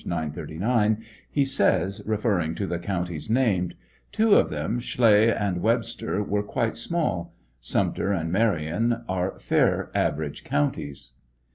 939,) he says, referring to the counties named : Two of them, Schley and Webster, were quite small. Sumter and Marion are fair aver age counties.